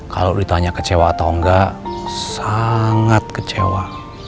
kalau ditanya kecewa atau enggak sangat kecewa